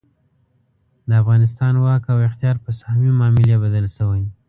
د افغانستان واک او اختیار په سهامي معاملې بدل شوی.